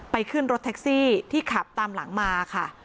ขึ้นรถแท็กซี่ที่ขับตามหลังมาค่ะ